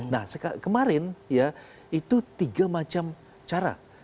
nah kemarin ya itu tiga macam cara